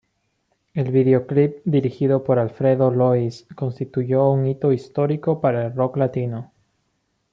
El videoclip, dirigido por Alfredo Lois, constituyó un hito histórico para el rock latino.